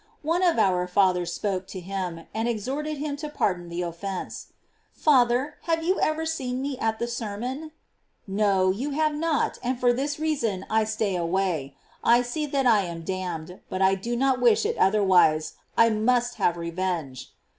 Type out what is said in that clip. One of our fathers spoke to him, and exhorted him to pardon the GLORIES OF MARY. 369 "* Father, have you ever seen me at the sermon? No, you have not, and for this reason I stay away: I see that I am damned, but I do not »^ish it otherwise, I must have revenge."